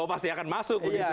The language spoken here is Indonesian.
oh pasti akan masuk begitu